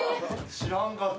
知らんかった。